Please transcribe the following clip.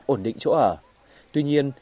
ổn định chỗ ở tuy nhiên